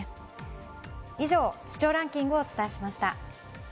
以上、視聴ランキングをお伝えしました。